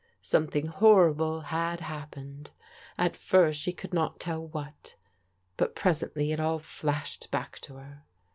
Something horrible had happened. At first she could not tell what, but presently it all flashed back to her.